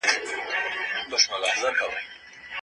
احمدشاه بابا د نورو خلکو دفاع کوله.